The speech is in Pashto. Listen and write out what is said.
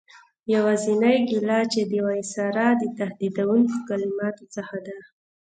یوازینۍ ګیله یې د وایسرا د تهدیدوونکو کلماتو څخه ده.